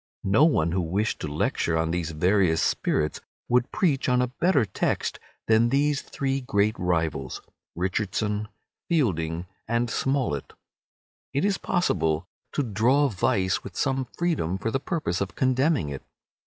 No one who wished to lecture on these various spirits could preach on a better text than these three great rivals, Richardson, Fielding, and Smollett. It is possible to draw vice with some freedom for the purpose of condemning it.